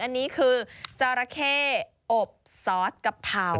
อันนี้คือจราเข้อบซอสกะเพรา